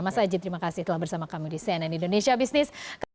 mas aji terima kasih telah bersama kami di cnn indonesia business